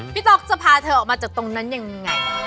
ต๊อกจะพาเธอออกมาจากตรงนั้นยังไง